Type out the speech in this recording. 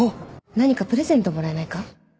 何かプレゼントもらえないか？